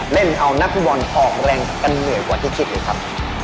เล่นเอานักฟุตบอลออกแรงกันเหนื่อยกว่าที่คิดเลยครับ